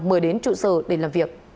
mời đến trụ sở